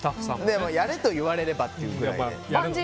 やれと言われればというくらいで。